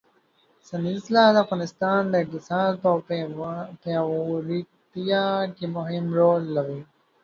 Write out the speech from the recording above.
سنځله د افغانستان د اقتصاد په پیاوړتیا کې مهم رول لوبوي.